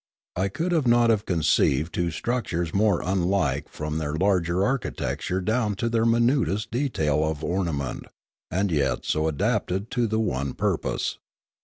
I could not have couceived two structures more unlike from their larger architecture down to their minutest detail of ornament, and yet so adapted to the one pur pose.